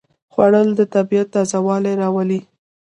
خوړل د طبیعت تازهوالی راولي